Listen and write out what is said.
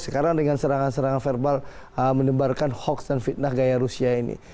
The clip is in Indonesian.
sekarang dengan serangan serangan verbal menebarkan hoaks dan fitnah gaya rusia ini